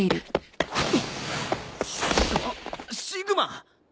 あっシグマ。